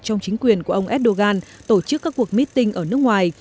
trong chính quyền của ông erdogan tổ chức các cuộc meeting ở nước ngoài